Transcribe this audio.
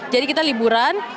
jadi kita liburan